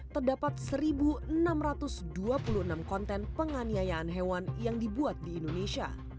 terdapat satu enam ratus dua puluh enam konten penganiayaan hewan yang dibuat di indonesia